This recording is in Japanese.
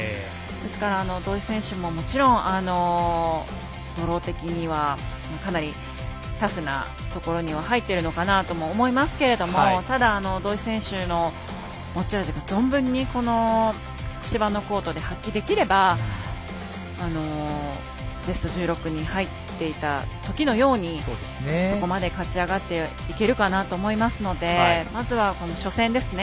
ですから、土居選手ももちろんドロー的にはかなりタフなところには入っているのかなとは思いますけどただ、土居選手の持ち味が存分に芝のコートで発揮できれば、ベスト１６に入っていたときのようにそこまで勝ち上がっていけるかなと思いますのでまずは、初戦ですね。